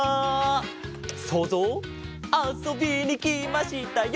そうぞうあそびにきましたよ！